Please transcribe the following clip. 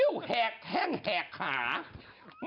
ลีน่าจังลีน่าจังลีน่าจัง